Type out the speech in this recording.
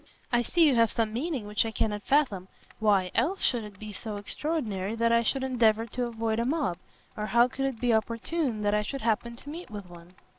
"I see you have some meaning which I cannot fathom, why, else, should it be so extraordinary that I should endeavour to avoid a mob? or how could it be opportune that I should happen to meet with one?"